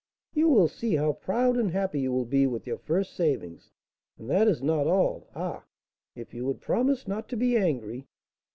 "You will see how proud and happy you will be with your first savings; and that is not all ah, if you would promise not to be angry!"